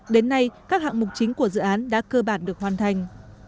đến nay các hạng mục chính của dự án đã cơ bản được hoàn thành